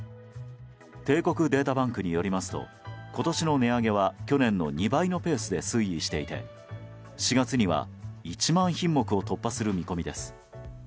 帝国データバンクによりますと今年の値上げは去年の２倍のペースで推移ししていて４月には１万品目を突破する見込みです。